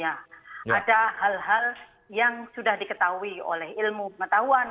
ada hal hal yang sudah diketahui oleh ilmu pengetahuan